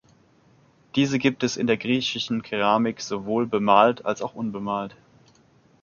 Diese gibt es in der griechischen Keramik sowohl bemalt als auch unbemalt.